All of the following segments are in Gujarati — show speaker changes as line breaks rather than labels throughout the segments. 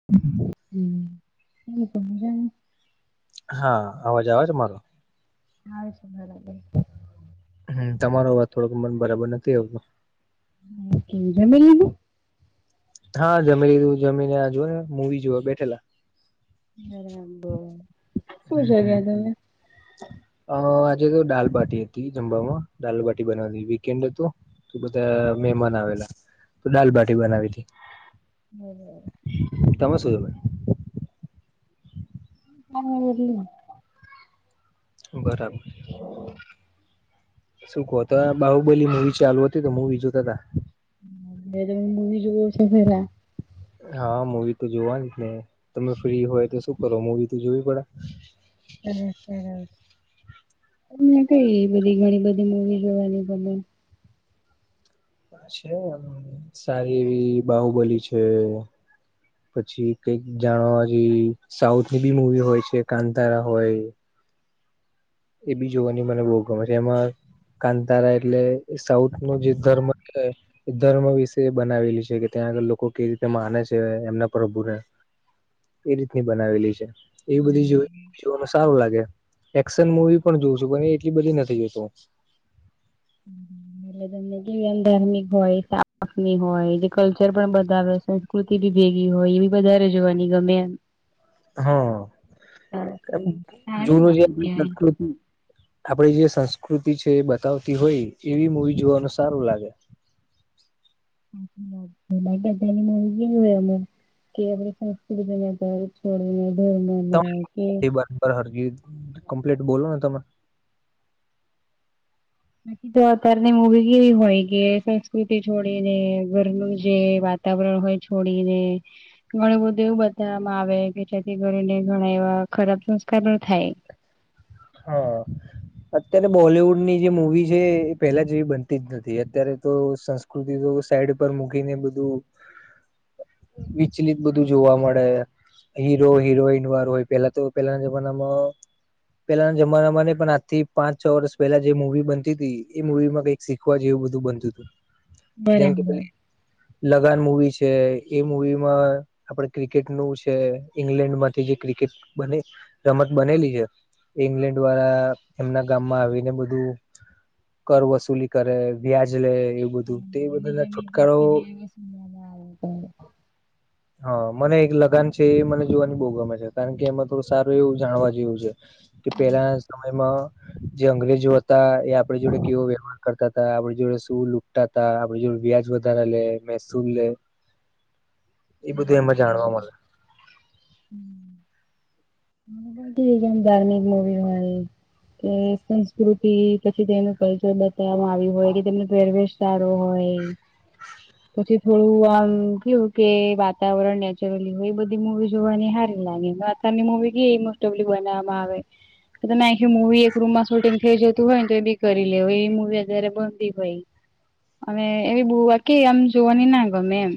[unintelligible]
હા અવાજ આવે છે મારો?
[inaudible]
હમ તમારો અવાજ થોડક મન બરાબર નથી આવતું.
[unintelligible] જમી લીધું?
હા જમી લીધું જમીને જોય ને મ મુવી જોય બેઠેલા.
[unintelligible] શું
હમ હમ
જમ્યા તમે?
અ આજે તો દાલબાટી હતી જમવામા દાલબાટી બનાવિ વીકેન્ડ હતો. બધા મેમાન આવેલા તો દાલબાટી બનાવી હતી.
[inaudible]
તમે શું કરો
[unintelligible]
બરાબર. શું કહો તો? બાહુબલી મુવી ચાલુ હતી તો મુવી જોતાતા.
[unintelligible] મુદી જો છો પેલા
હા મવી તો જોવાની ને તમે ફ્રી હોય તો શું કરો? મૂવી તો જોવી પડ.
સરસ સરસ અ [unintelligible] કઈ બધી ઘણી બધી મુવી જોવાની ગમે
છે. સારી એવી બાહુબલી છે. પછી કઈક જાણવા સાઉથ ની બી મુવી હોય છે. કાંતારા હોય, એ બી જોવાની મને બહુ ગમે છે. એમાં કાંતારા એટલે સાઉથ નો જે ધર્મ કેવાય. ધર્મ વિશે બનાવેલી છે કે ત્યાં આગળ લોકો કેવી રીતે માને છે. એમના પ્રભુને એ રીતની બનાવેલી છે એ બધી જો જોવાનું સારું લાગે. એક્શન મુવી પણ જોઉ છું, પણ એટલી બધી નથી જોતો.
ન ધાર્મિક હોય, સાપની હોય, કલ્ચર પણ બતાવે છે. સ્કૃતિ ભેગી હોય એવી વધારે જોવાની ગમે એમ.
હા. એમ
સારી
જૂનું જે
બાબત કહેવાય
પ્રકૃતિ આપડી જે સંસ્કૃતિ છે, એ બતાવતી હોય એવી મૂવી જોવાનું સારું લાગે.
[unintelligible] [unintelligible]
[unintelligible]
કે
બરાબર હરકી [unintelligible] કમ્પ્લીટ બોલો ને તમે
બાકી તો અત્યારની મૂવી કેવી હોય કે સંસ્કૃતિ છોડીને ઘરનું જે વાત તપ હોય છોડીને ઘણું બધું એવું બતાવામાં આવે કે જ્યાંથી કરીને ઘણા એવા ખરાબ સંસ્કાર થાય.
હા અત્યારે બોલવુડ ની જે મુૂવી છે, એ પહેલા જેવી બનતી જ નથી અત્યારે તો આકૃતિ સાઈડ પર મૂકીને બધું વિચલિત બધું જોવા મળે હીરો હિરોઈન વાર હોય પેલા તો પેલાના જમાનામાં પેલાના જમાનામા પણ આજથી પાંચ છ વર્ષ પહેલા જે મુવી બનતી હતી એ મુવી માં કંઈક શીખવા જેવું બધું બનું હતું જેમ કે
બરાબર.
પે લગાન મુૂવી છે, એ મુવીમાં આપડે ક્રિકેટ નું છે ઈંગ્લેન્ડ માંથી જે ક્રિકેટ બને રમત બનેલી ઈંગ્લેન્ડ વાળા એમના ગામમાં આવીને બધું કર વસૂલી કરે વ્યાજ લે એવું બધું તે એ બધું
કે જે એવ સુનવામાં આવું ત
હા મને એક લગાન છે એ મને જોવાની બહુ ગમે છે, કારણ કે એમાં થોડું સારું એવું જાણવા જેવું પેલા સમયમાં જે અંગ્રેજો હતા એ આપડ જોડે કેવો વ્યવા કરતા ત આપ જોડે શું લુટતા ત આપણી જોડે વ્યાજ વધારા લે મહેસૂર લે એ બધું
બરાબર
એમાં જાણવા
બરાબર.
મળે
હમ જે ધાર્મિક મુવી હોય કે સંસ્કૃતિ પછી તેનું કલ્ચર બતાવવામાં આવ્યું હોય કે, તેમનો પરવેશ સારો હોય. પછી થોડું આમ કેવું કે વા તાવરણ નેચરલી હોય એ બધી મુવી જોવાની હારી લાગે અતારની મુવી કે મોસ્ટ ઓફલી બનાવામાં આવે. તો તમે આખી મુૂવી એક રૂમ માં શૂટિંગ થઈ જતું હોય તો એ બી કરી લેવ એ મુવી અત્યારે બનતી હોય. અને એવી બુવા કે આમ જોવાની ના ગમે એમ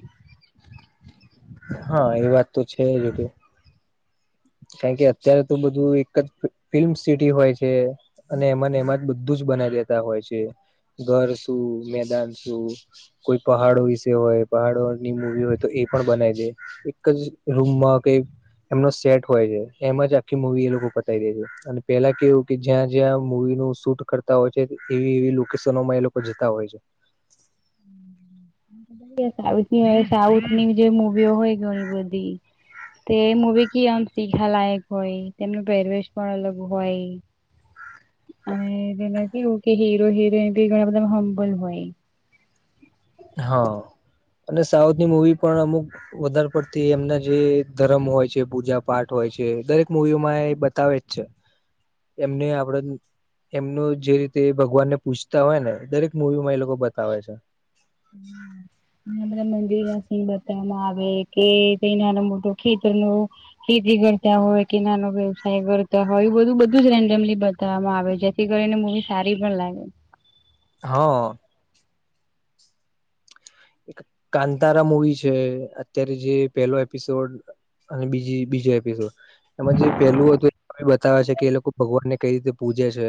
હા એ વાત તો છે જું કારણ કે અત્યારે તો બધું એક જ ફિલ્મ સિટી હોય છે. અને એમાં એમાં જ બધું જ બનાવી દેતા હોય છે, ઘર શું, મેદાન શું કોઈ પહાડો વિશે હોય પહાડોની મુૂવી હોય તો એ પણ બનાય જાય એક જ રૂમમાં કે એમનો સેટ હોય છે, એમાં જ આખી મુવી એ લોકો પતાવી દે છે અને પેલા કેવું કે જ્યાં જ્યાં મુવી નું શૂટ કર હોય છે એવી એવી લોકેશનોમાં એ લોકો જતા હોય છે.
સાઉથની સાઉથ ની જે મુવીઓ હોય ઘણી બધી તે મુવી ક આમ શીખા લાયક હોય તેમનો પહેરવેશ પણ અલગ હોય અને એના કેવું કે હીરો હિરોઈન બી ઘણા બધા હમ્બલ હોય.
હા અને સાઉથની મુવી પણ અમુક વધારે પડતી એમના જે ધરમ હોય છે, પૂજા પાઠ હોય છે, દરેક મુૂવીઓમાં એ બતાવે છે. છા એમને આપડ એમનું જે રીતે ભગવાનને પૂછતા હોય ને દરેક મુૂવી માં એ લોકો બતાવે છે.
મંદિર સિંહ બતાવામાં આવે કે તે ના મોટો ખેતર નો ખેતી કરતા હોય કે નાનો વ્યવસાય કરતા હોય એ બધું બધું જ રેન્ડમલી બતાવવામાં આવે છે. એથી કરીને મવી સારી પણ લાગે
હા એક કાતારા મુવી છે, અત્યારે જે પેલો એપિસોડ અને બીજી બીજો એપિસોડ એમાં જે પહેલું હતું. બતાવે છે, કે એ લોકો ભગવાન ને કઈ રીતે પૂજે છે.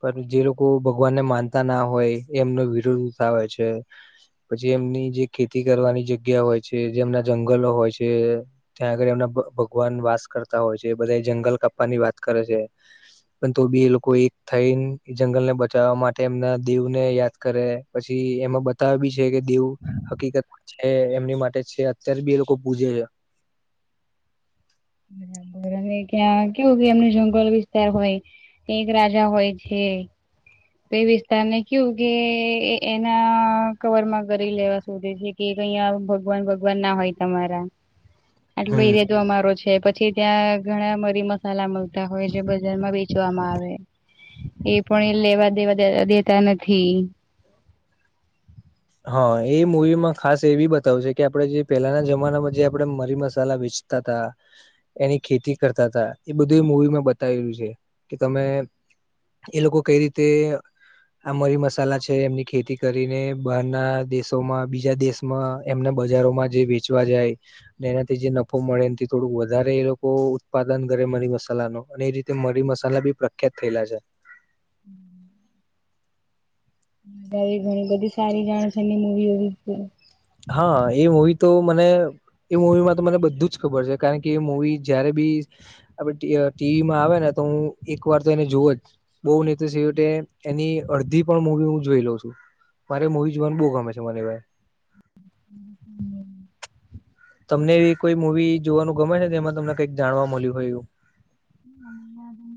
પણ જે લોકો ભગવાનને માનતા ના હોય એમનો વિરોધ થ હોય છે પછી એમની જે ખેતી કરવાની જગ્યા હોય છે જે એમના જંગલો હોય છે ત્યાં આગળ એમના ભગવાન વાસ કરતા હોય છે બધા જંગલ કાપવાની વાત કરે છે પણ તો બી એ લોકો એક થઈને જંગલ ને બચાવવા માટે એમના દેવ ને યાદ કરે પછી એમાં બતાવેી છે કે દેવ હકીકત છે એમની માટે છે અત્યારે બી એ લોકો પૂજે છે
ક્યાં કેવું કે એમનું જંગલ વિસ્તાર હોય એક રાજા હોય છે તો એ વિસ્તાર ને કવું કે એના કવરમાં કરી લેવા શોધે છે કે કહીયા ભગવાન ભગવાન ના હોય તમારા આટલો
હમ
એરિયા તો અમારો છે પછ પછ ત્યાં ઘણા મરી મસાલા મળતા હોય જે બજારમાં વેચવામાં આવે એ પણ લેવા દેવાે દેતા નથી
હા એ મુૂવી માં ખાસ એવી બતાવ છે કે આપડે જે પેલાના જમાનામાં જે આપણેે મરી મસાલા વેચ તથા એની ખેતી કરતા હતા એ બધું મૂવી મેં બતાવેલું છે કે તમે એ લોકો કઈ રીતે આ મરી મસાલા છે એમની ખેતી કરીને બહાર ના દેશોમાં બીજા દેશમાં એમને બજારોમાં જે વેચવા જાય એનાથી જે નફો મળે એથી થોડુંક વધારે એ લોકો ઉત્પાદન કરે મરી મસાલા ન અને એ રી તે મરી મસાલા બી પ્રખ્યાત થયેલા છે
એ ઘણી બધી સારી જાણ છે એની મૂવી
હા એ મવી તો મને એ મૂવીમાં તો મને બધું જ ખબર છે કારણ કે એ મવી જયારે બી આપ ટીવીમાં આવે ને તો હું એક વાર તો એને જોવ જ બહુ નેતા એની અડધી પણ મુવી હું જોઈ લઉ છું મારે મૂવી જોવાનું બહુ ગમે છે મને ભાઈ
હ હમ
તમને એ કોઈ મુવી જોવાનું ગમે છેને એમાં તમને કંઈક જાણવા મળ્યું હોય એવું
હમ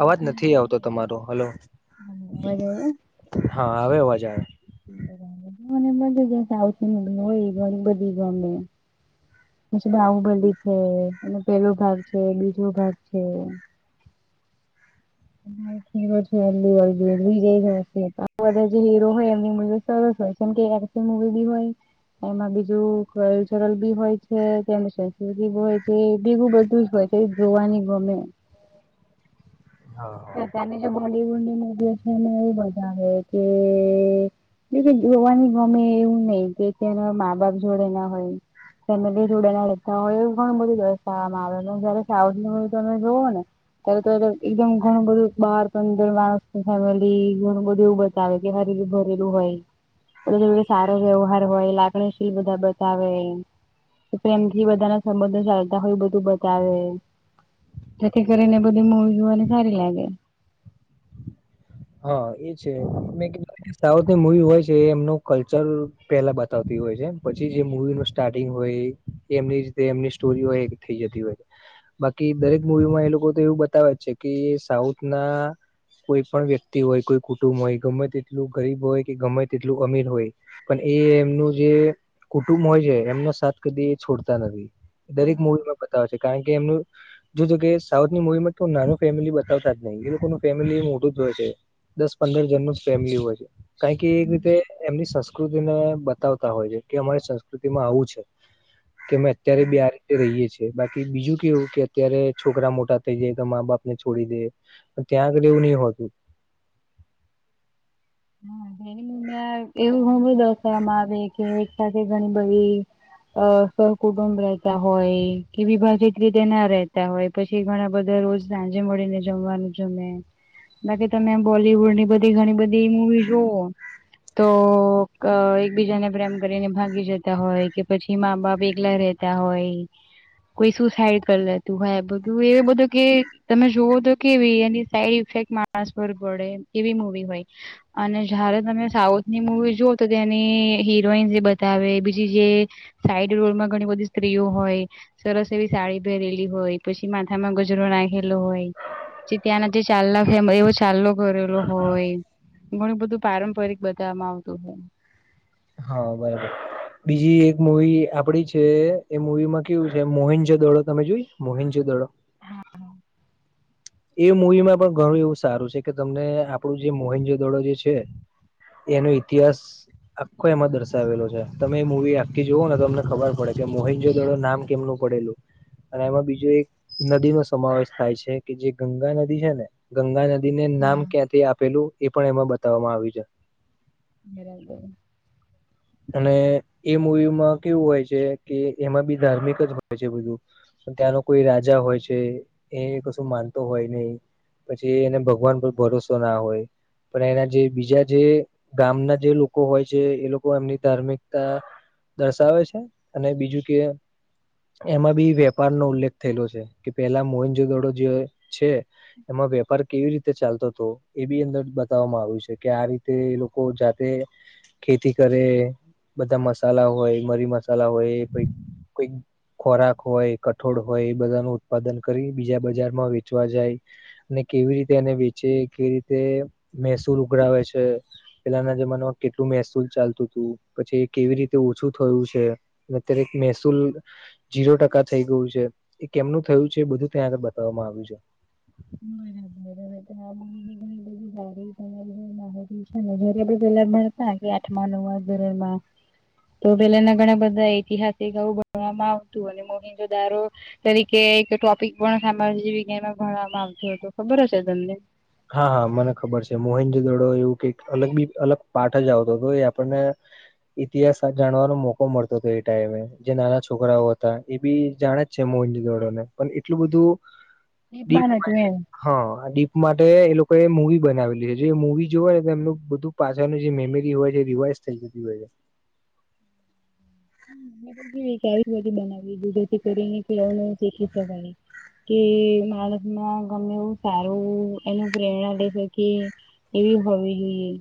અવાજ નથી આવતો તમારો હલો હા હવે અવા જ
મને બ આવતી મ હોય એ ગ બધી ગમે પછી બાહુબલી છે એનો પેલો ભાગ છે બીજો ભાગ છે એક હીરો છે એલીી જઈ છે બધા જે હીરો હોય એમની મ સરસ હો છેમ કે એકસ મગદી હોય એમાં બીજું કલ્ચરલ બી હોય છે તેમસ્ૃી હોય છે બીું બધું જ હોય તે જોવાની ગમે
હા હા.
તની બોલીવુડની મુવીએશનમાં એવું બધા કે જો જોવાની ગમે એવું નઈ કે તેના મા બાપ જોડે ના હોય ફેમિલી જોડેના લેતા હોય એ કોણ બધુંા આવે સાઉ તમે જોઓ ને ત્યારે તો એકદમ ઘણું બધું બહાર પંદર માણસ ફેમિલી ઘણું બધું એવું બતાવે કે હરીલી ભરેલું હોય બધ સારો વ્યવહાર હોય લાગણીશીલ બધા બતાવે પ્રમ થી બધા ના સંબંધો ચાલતા હોય બધું બતાવે જેથી કરીને બધી મૂળ જોવાને સારી લાગે
હા એ છે મેં ક સાઉથની મૂવી હોય છે એમનું કલ્ચર પેલા બતાવતી હોય છે પછી જે મુવી નું સ્ટાર્ટિંગ હોય. એ એમની રીતે એમની સ્ટોરી હોય એ થઈ જતી હોય. બાકી દરેક મુવીમાં એ લોકો તો એવું બતાવે જ છે કે સાઉથ ના કોઈ પણ વ્યક્તિ હોય કોઈ કુટુંબ હોય ગમે તેટલું ગરીબ હોય કે ગમે તેટલું અમીર હોય પણ એ એમનું જે કુટુંબ હોય છે એમનો સાથ કદી એ છોડતા નથી દરેક મૂડીમાં બતાવેય છે કારણ કે એમનું જોજ કે સાઉથની મુવી માં તો નાનો ફેમિલી બતાવતા જ નહીિ એ લોકોનું ફેમિલી મોટું જ હોય છે દસ પંદર જનનું ફેમિલી હોય છે કણ કે એક રીતે એમની સંસ્કૃતિને બતાવતા હોય છે કે અમારી સંસ્કૃતિ માં આવું છે કે અમે અત્યારે બી આ રીતે રહીએ છીએ બાકી બીજું કેવું કે અત્યારે છોકરા મોટા થઈ જાય તો મા બાપ ને છોડી દે પણ ત્યાં આગળ એવું નહ હોતું
બે મ્ એવું હું દર્શવામાં આવે કે એક સાથે ઘણી બધી અ સરકુટુંબ રહેતા હોય કે વિભાજિત રીતે ના રહેતા હોય. પછી ઘણા બધા રોજ સાંજે મળીને જમવાનું જમે. બાકી તમે બોલીવુડની બધી ઘણી બધી મુવી જોઓ તો એકબીજાને પ્રેમ કરીને ભાગી જતા હોય કે પછી મા બાપ એકલા રહેતા તા હોય કોઈ સુસાઈડ કરી લેતું હોય બધું એવ બધું કે તમે જોવો તો કેવી એની સાઈડ ઇફેક્ટ માણસ પર પડે એવી મુૂવી હોય અને જયારે તમે સાઉથની મુૂવી જુઓ તો તેની હીરોઈન જે બતાવે બીજી જે સાઈડ રોલમાં ઘણી બધી સ્ત્રીઓ હોય. સરસ એવી સાડી પહેરેલી હોય પછી માથામાં ગજરો નાખેલો હોય. ત્યાંના જે ચાલલા ફે એવો ચાલલો કરરેેલો હોય. ઘણું બધું પારંપરિક બતાવવામાં આવતું હોય.
હા બરાબર બીજી એક મુવી આપડી છે એ મુવી માં કેવું છે મોહનજ દડો તમે જોય મોહનજ દડો.
હા હા
એ મૂવીમાં પણ ઘણું એવું સારું છે કે તમને આપણું જે મોહનજી દડો જે છે. એનો ઇતિહાસ આખો એમાં દર્શાવેલો છે તમે એ મુૂવી આખી જુઓ ને તો તમને ખબર પડે. જે મોહનજો દળો નામ કેમનું પડેલું અને એમાં બીજું એક નદી નો સમાવેશ થાય છે. કે જે ગંગા નદી છે ને ગંગા નદી ને નામ
હોય
ક્યાંથી આપેલું એ પણ એમાં બતાવવામાં આવ્યું છે.
બરાબર
અને એ મૂવીમાં કેવું હોય છે કે એમાં બી ધાર્મિક જ હોય છે બધું. ત્યાંનો કોઈ રાજા હોય છે એ કશું માનતો હોય નહી પછી એને ભગવાન પર ભરોસો ના હોય પણ એના જે બીજા જે ગામના જે લોકો હોય છે એ લોકો એમની ધાર્મિકતા દર્શાવે છે અને બીજું કે એમાં બી વેપાર નો ઉલ્લેખ થયેલો છે કે પેલા મોહન જોદડો જે છે. એમાં વેપાર કેવી રીતે ચાલતો હતો એ બી અંદર બતાવવામાં આવ્યું છે કે આ રીતે લોકો જાતે તી કરે બધા મસાલા હોય મરી મસાલા હોય કોઈ કોઈ ખોરાક હોય કઠોળ હોય એ બધા નુ ઉત્પાદન કરી બીજા બજારમાં વેચવા જાય. ને કેવી રીતે એને વેચે કેવી રીતે મહેસૂર ઉઘડાવે છે. પેલા ના જનામા કેટુ મેસુલ. ચાલતું હતું પછી કેવી રીતે ઓછું થયું છે અત્યારે મહેસૂલ જીરો ટકા થઈ ગયું છે એ કેમનું થયું છે એ બધું ત્યાં આગળ બતાવવામાં આવ્યું છે.
ના ના મમ્ નેની ગડી [unintelligible] ઘરે બી પેલા ભળતા કે આઠ માં નવ ધોરણમાં તો પેલાના ઘણા બધા ઐતિહાસિકું ભણવામાં આવતું અને મોહનજી દારો તરીકે એક ટોપિક પણ સામાજિક એમાં ભણવામાં આવતું હતું ખબર હશે તમને.
હા હા મને ખબર છે મોહેનજ દડો એવું કઈક અલગ બી અલગ પાઠ જ આવતો હતો એ આપણને ઇતિહાસ જાણવાનો મોકો મળતો હતો એ ટાઈમે જે નાના છોકરાઓ હતા એ બી જાણે છે મોહેંજો દડોને પન એટલું બધું
ઈ બાન હતું એમ.
હહ આ ડીપમાં માટે એ લોકો એ મુૂવી બનાવેલી છે જે એ મૂવી જોવા ને તો એમનું બધું પાછાનું જે મેમરી હોય છે એ રિવાઇસ થઈ જાય બ હોય છે [inaudible]
કે આયુર્વેદિક બનાવી દૂધથી કરીને કે [inaudible] શીખી સવા કે માણસમાં ગમે એવું સારું એનું પ્રેરણા લે શકે. એવી હોવી જોઇએ.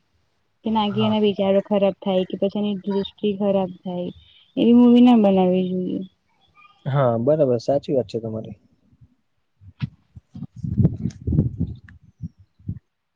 કે નાગી
હા
એના વિચારો ખરાબ થાય કે પછી એની દૃષ્ટિ ખરાબ થાય એવી મૂવી ન બનાવી જોઈએ.
હહ બરાબર સાચી વાત છે તમારી. [inaudible]